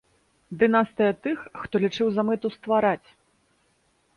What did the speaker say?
Дынастыя тых, хто лічыў за мэту ствараць.